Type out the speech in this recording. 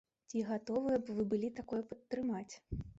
Ці гатовыя б вы былі такое падтрымаць?